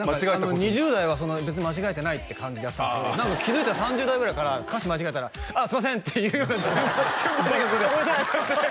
２０代は別に間違えてないって感じでやってたんですけど何か気づいたら３０代ぐらいから歌詞間違えたら「あっすいません」って言うように「あっごめんなさい」